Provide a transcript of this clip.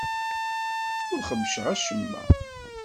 Ur xebbceɣ acemma.